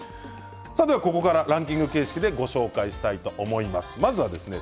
ここからランキング形式でご紹介したいと思います。